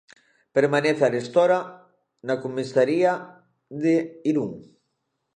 Permanece arestora na comisaría de Irún.